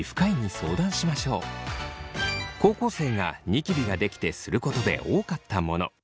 高校生がニキビができてすることで多かったもの。